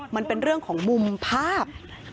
มันเป็นเรื่องของมุมภาพ